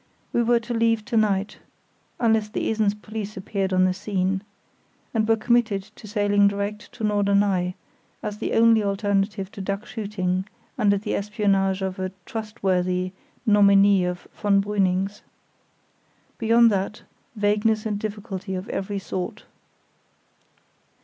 We were to leave to night (unless the Esens police appeared on the scene), and were committed to sailing direct to Norderney, as the only alternative to duck shooting under the espionage of a "trustworthy" nominee of von Brüning's. Beyond that—vagueness and difficulty of every sort.